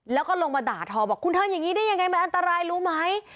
แล้วก็ลงมาด่าทอบอกคุณทำอย่างนี้ได้ยังไงมันอันตรายรู้ไหม